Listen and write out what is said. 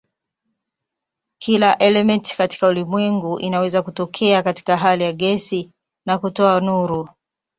Kila elementi katika ulimwengu inaweza kutokea katika hali ya gesi na kutoa nuru.